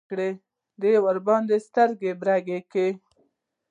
ده ورباندې سترګې برګې کړې.